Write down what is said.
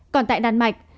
còn tại đan mạch